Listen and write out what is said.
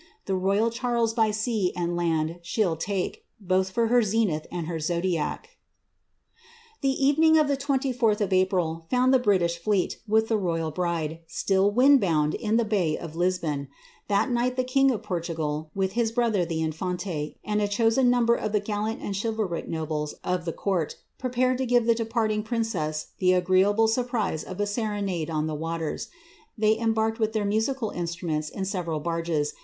The royal Charles by sea and land she '11 take, Both for her zenith and her zodiack.'^ rening of the 24th of April found the British fleet, with the ie, still wind bound in the bay of Lisbon. Tiiat night the king ral, with his brother the infante, and a chosen number of the id chivalric nobles of the court, prepared to give the departing ;he agreeable surprise of a serenade on the waters/ They em ^ith their musical instruments in several barges, and coming isa Real Portugucsa.